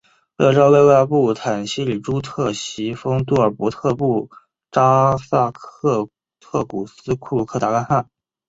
勒札勒喇布坦希哩珠特袭封杜尔伯特部札萨克特古斯库鲁克达赖汗。